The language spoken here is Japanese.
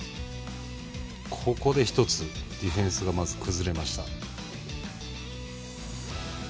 ここで、１つディフェンスが崩れました。